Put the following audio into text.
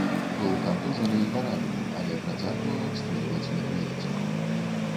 Быў кантужаны і паранены, але працягваў абстрэльваць непрыяцеля.